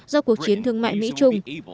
do cuộc chiến thương mại mỹ trung